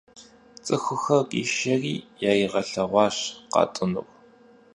ЦӀыхухэр къишэри яригъэлъэгъуащ къатӀынур.